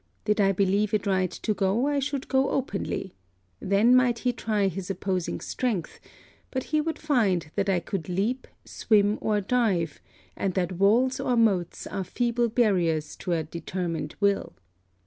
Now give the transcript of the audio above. Did I believe it right to go, I should go openly. Then might he try his opposing strength: but he would find that I could leap, swim or dive, and that walls or moats are feeble barriers to a determined will.'